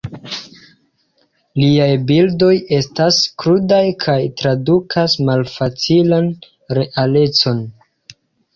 Liaj bildoj estas krudaj kaj tradukas malfacilan realecon.